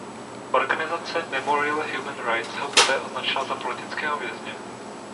Organizace Memorial Human Rights ho poté označila za politického vězně.